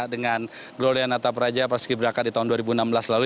dengan glolia natapraja paski beraka di tahun dua ribu enam belas lalu